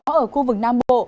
ở khu vực nam bộ